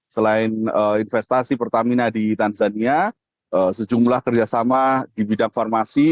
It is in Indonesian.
selain investasi pertamina di tanzania sejumlah kerjasama di bidang farmasi